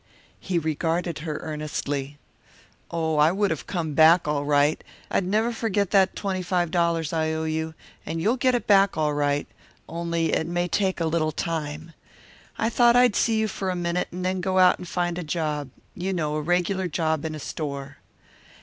He regarded her earnestly. "Oh, I would have come back, all right; I'd never forget that twenty five dollars I owe you; and you'll get it all back, only it may take a little time. I thought I'd see you for a minute, then go out and find a job you know, a regular job in a store."